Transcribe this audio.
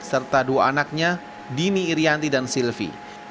serta dua anaknya dini irianti dan silvi